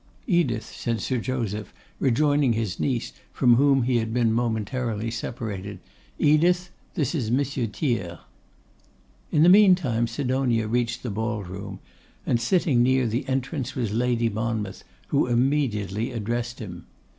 'Edith,' said Sir Joseph, rejoining his niece, from whom he had been momentarily separated, 'Edith, that is Monsieur Thiers.' In the meantime Sidonia reached the ball room, and sitting near the entrance was Lady Monmouth, who immediately addressed him.